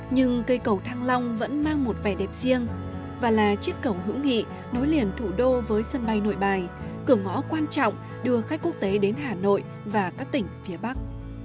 nhưng cây cầu thăng long vẫn mang một vẻ đẹp riêng và là chiếc cầu hữu nghị nối liền thủ đô với sân bay nội bài cửa ngõ quan trọng đưa khách quốc tế đến hà nội và các tỉnh phía bắc